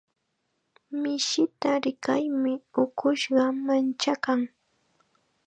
Mishita rikarmi ukushqa manchakan.